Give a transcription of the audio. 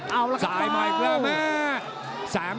เอาละครับสายใหม่เพื่อแม่